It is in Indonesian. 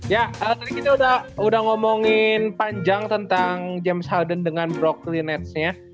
ya tadi kita udah ngomongin panjang tentang james holden dengan brokli nets nya